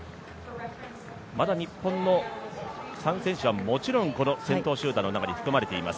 まだ日本の３選手はもちろん先頭集団の中に含まれています。